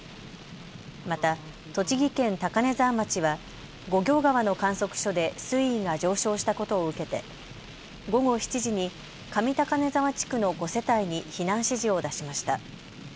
また栃木県高根沢町は五行川の観測所で水位が上昇したことを受けて午後７時に上高根沢地区の５世帯に避難指示を出しました。